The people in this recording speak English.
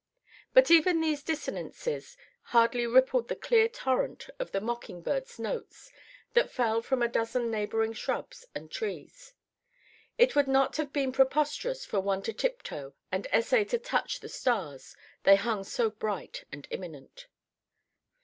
But even these dissonances hardly rippled the clear torrent of the mocking birds' notes that fell from a dozen neighbouring shrubs and trees. It would not have been preposterous for one to tiptoe and essay to touch the stars, they hung so bright and imminent.